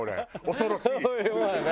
恐ろしい。